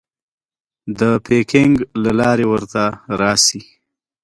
د پیکنګ له لارې ورته راسې.